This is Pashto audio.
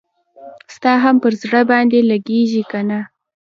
ستا هم پر زړه باندي لګیږي کنه؟